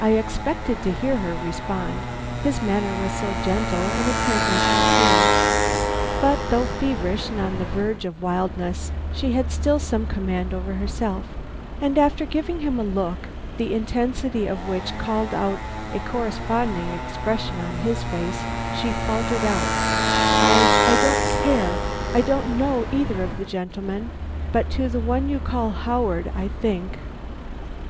I expected to hear her respond, his manner was so gentle and apparently sincere. But though feverish and on the verge of wildness, she had still some command over herself, and after giving him a look, the intensity of which called out a corresponding expression on his face, she faltered out: "I I don't care; I don't know either of the gentlemen; but to the one you call Howard, I think."